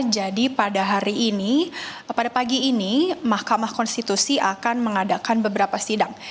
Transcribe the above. jadi pada hari ini pada pagi ini mahkamah konstitusi akan mengadakan beberapa sidang